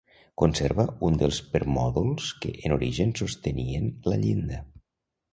Conserva un dels permòdols que en origen sostenien la llinda.